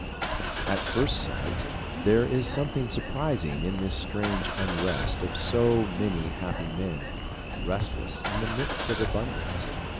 At first sight there is something surprising in this strange unrest of so many happy men, restless in the midst of abundance.